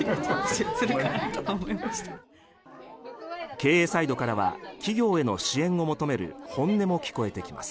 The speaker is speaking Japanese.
経営サイドからは企業への支援を求める本音も聞こえてきます。